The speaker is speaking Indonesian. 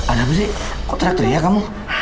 ada apa sih kok terak teriak kamu